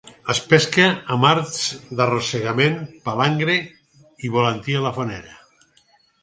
Es pesca amb arts d'arrossegament, palangre i volantí a la fonera.